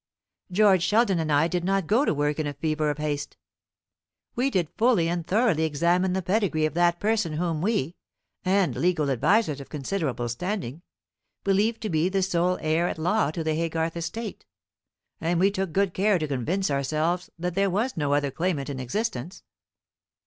George Sheldon and I did not go to work in a fever of haste. We did fully and thoroughly examine the pedigree of that person whom we and legal advisers of considerable standing believe to be the sole heir at law to the Haygarth estate; and we took good care to convince ourselves that there was no other claimant in existence."